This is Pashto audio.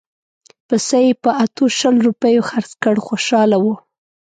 پسه یې په اتو شل روپیو خرڅ کړ خوشاله وو.